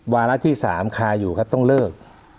วาระที่๓คาอยู่ครับต้องเลิก